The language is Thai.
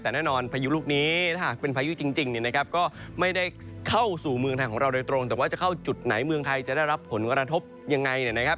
แต่แน่นอนพายุลูกนี้ถ้าหากเป็นพายุจริงเนี่ยนะครับก็ไม่ได้เข้าสู่เมืองไทยของเราโดยตรงแต่ว่าจะเข้าจุดไหนเมืองไทยจะได้รับผลกระทบยังไงเนี่ยนะครับ